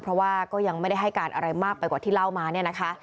เพราะว่าก็ยังไม่ได้ให้การอะไรมากไปกว่าที่เล่ามาเนี่ยนะคะ